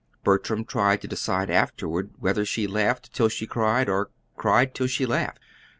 Bertram tried to decide afterward whether she laughed till she cried, or cried till she laughed.